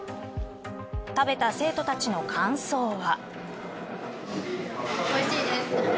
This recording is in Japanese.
食べた生徒たちの感想は。